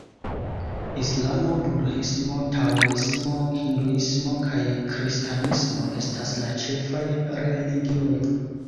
Islamo, Budhismo, Taoismo, Hinduismo kaj Kristanismo estas la ĉefaj religioj.